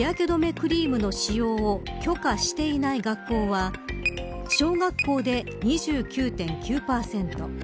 クリームの使用を許可していない学校は小学校で２９．９％。